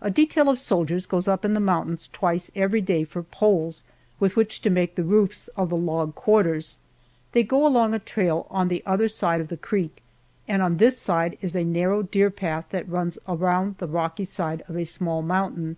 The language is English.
A detail of soldiers goes up in the mountains twice every day for poles with which to make the roofs of the log quarters. They go along a trail on the other side of the creek, and on this side is a narrow deer path that runs around the rocky side of a small mountain.